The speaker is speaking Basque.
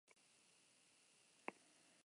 Kanpoaldean kristalezko aurrealde handi bat dago.